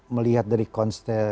melihat dari konstelasi